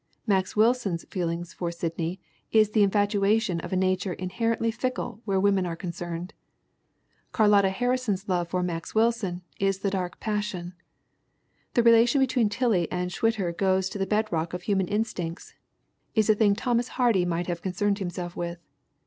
Max Wil son's feeling for Sidney is the infatuation of a nature inherently fickle where women are concerned. Car lotta Harrison's love for Max Wilson is the dark pas sion. The relation between Tillie and Schwitter goes to the bedrock of human instincts, is a thing Thomas Hardy might have concerned himself with.